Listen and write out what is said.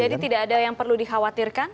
jadi tidak ada yang perlu dikhawatirkan